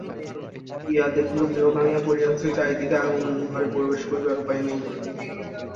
গিয়া দেখিল গৃহ ভাঙিয়া পড়িয়াছে– চারিদিকে আগুন– ঘরে প্রবেশ করিবার উপায় নাই।